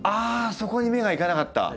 そこに目がいかなかった！